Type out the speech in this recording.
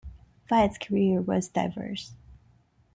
Wyatt's career was diverse.